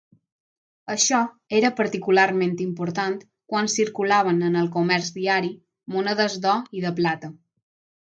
Això era particularment important quan circulaven en el comerç diari monedes d'or i de plata.